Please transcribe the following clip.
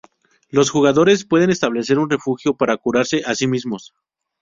Los jugadores pueden establecer un refugio para curarse a sí mismos.